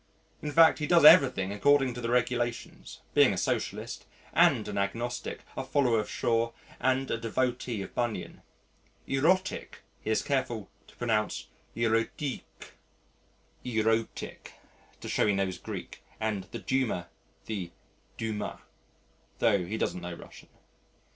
In fact, he does everything according to the regulations, being a socialist and an agnostic, a follower of Shaw and a devotee of Bunyan. "Erotic" he is careful to pronounce eròtic to show he knows Greek, and the "Duma," the Dumà, tho' he doesn't know Russian.